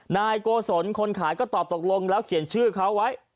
นายโกศลคนขายก็ตอบตกลงแล้วเขียนชื่อเขาไว้